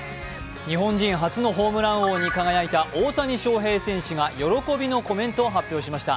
日本人初のホームラン王に輝いた大谷翔平選手が喜びのコメントを発表しました。